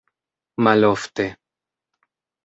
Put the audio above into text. malofte